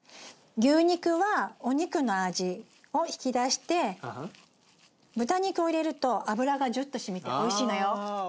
牛肉はお肉の味を引き出して豚肉を入れると脂がジュッとしみておいしいのよ。